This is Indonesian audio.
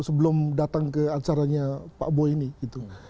sebelum datang ke acaranya pak boy ini gitu